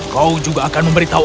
kau juga akan memberitahu